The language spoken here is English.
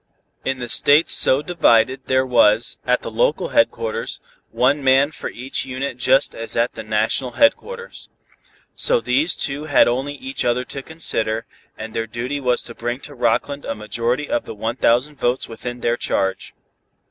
In the states so divided, there was, at the local headquarters, one man for each unit just as at the national headquarters. So these two had only each other to consider, and their duty was to bring to Rockland a majority of the one thousand votes within their charge.